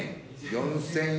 ４，０００円。